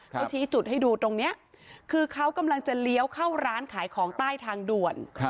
เขาชี้จุดให้ดูตรงนี้คือเขากำลังจะเลี้ยวเข้าร้านขายของใต้ทางด่วน